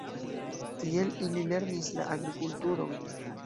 Tiel, ili lernis la agrikulturon.